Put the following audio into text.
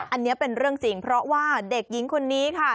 อันนี้เป็นเรื่องจริงเพราะว่าเด็กหญิงคนนี้ค่ะ